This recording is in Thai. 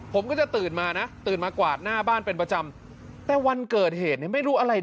ผมก็จะตื่นมานะตื่นมากวาดหน้าบ้านเป็นประจำแต่วันเกิดเหตุเนี่ยไม่รู้อะไร